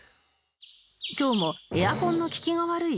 今日もエアコンの利きが悪い ＪＩＤＯ